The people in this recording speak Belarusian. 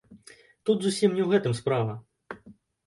Тут зусім не ў гэтым справа.